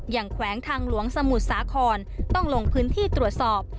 แขวงทางหลวงสมุทรสาครต้องลงพื้นที่ตรวจสอบ